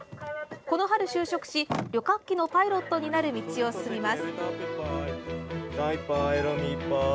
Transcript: この春、就職し旅客機のパイロットになる道を進みます。